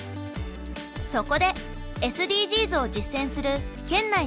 そこでＳＤＧｓを実践する県内の企業を取材。